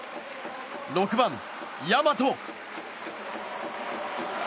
６番、大和。